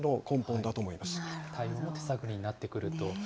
対応も手探りになってくると。